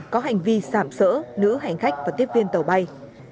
có hành vi sảm sỡ nữ hành khách và tiếp viên tàu bay